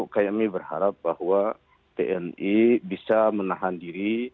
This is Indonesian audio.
kami berharap bahwa tni bisa menahan diri